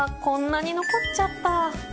こんなに残っちゃった